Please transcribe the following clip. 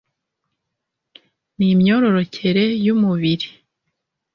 n imyororokere y umubiri